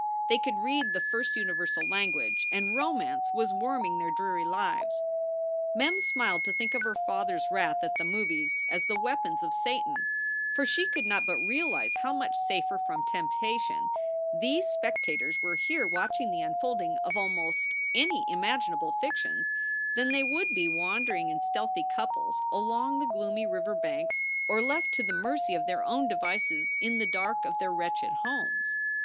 They could read the first universal language, and romance was warming their dreary lives. Mem smiled to think of her father s wrath at the movies as the weapons of Satan, for she could not but realize how much safer from temptation these spectators were here watching the unfolding of almost any imaginable fictions than they would be wandering in stealthy couples along the no SOULS FOR SALE gloomy river banks or left to the mercy of their own devices in the dark of their wretched homes.